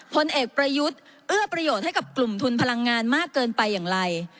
พลเอกประยุทธ์เอื้อประโยชน์ให้กับกลุ่มทุนพลังงานมากเกินไปอย่างไร